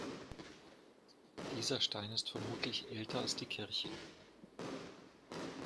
Dieser Stein ist vermutlich älter als die Kirche.